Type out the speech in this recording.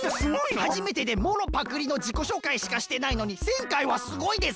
はじめてでもろパクリのじこしょうかいしかしてないのに１０００回はすごいです。